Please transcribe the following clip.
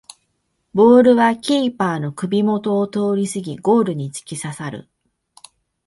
ボールはキーパーの首もとを通りすぎゴールにつきささる